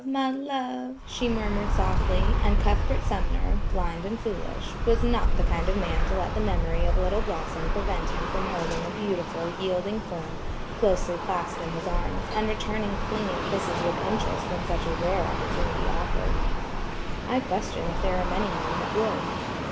my love!" she murmured softly, and Cuthbert Sumner (blind and foolish) was not the kind of man to let the memory of little Blossom prevent him from holding a beautiful, yielding form closely clasped in his arms, and returning clinging kisses with interest when such a rare opportunity offered. I question if there are many men that would.